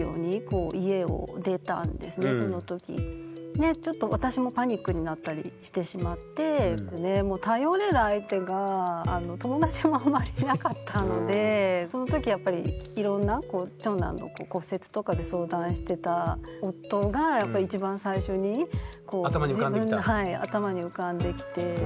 でちょっと私もパニックになったりしてしまって頼れる相手が友達もあんまりいなかったのでその時やっぱりいろんな長男の骨折とかで相談してた頭に浮かんできた？